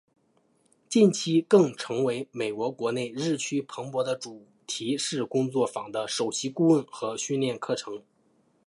近期更成为美国国内日趋蓬勃的主题式工作坊的首席顾问和训练课程。